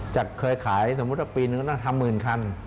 จากเคยขายสมมุติปีหนึ่งก็ต้องทำหมื่นคัน